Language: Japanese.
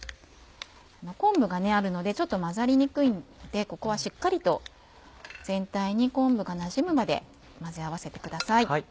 昆布があるのでちょっと混ざりにくいんでここはしっかりと全体に昆布がなじむまで混ぜ合わせてください。